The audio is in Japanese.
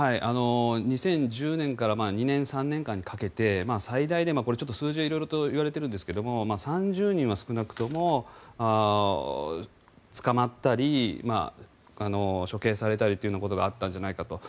２０１０年から１２年、１３年にかけて最大でちょっと数字は色々といわれているんですが３０人は少なくとも捕まったり処刑されたりというようなことがあったんじゃないかと。